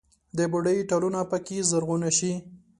د بوډۍ ټالونه پکښې زرغونه شي